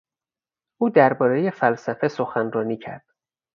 او دربارهی فلسفه سخنرانی کرد.